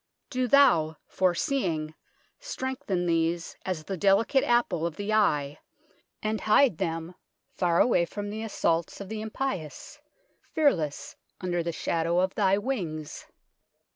Do Thou, foreseeing, strengthen these as the delicate apple of the eye, and hide them far away from the assaults of the impious, fearless under the shadow of Thy wings.